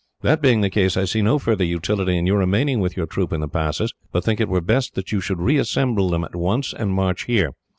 That being the case, I see no further utility in your remaining with your troop in the passes, but think it were best that you should re assemble them at once, and march here.